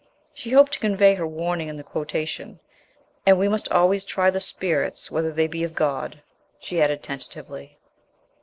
She hoped to convey her warning in the quotation. "And we must always try the spirits whether they be of God," she added tentatively.